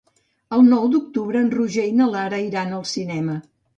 El nou d'octubre en Roger i na Lara iran al cinema.